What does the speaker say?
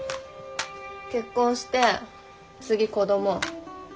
結婚して次子ども。